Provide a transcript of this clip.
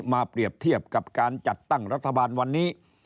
เปรียบเทียบกับการจัดตั้งรัฐบาลวันนี้